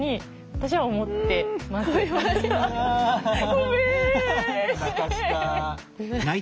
ごめん。